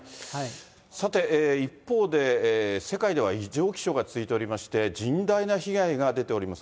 さて、一方で、世界では異常気象が続いておりまして、甚大な被害が出ております。